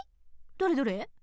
どれどれ。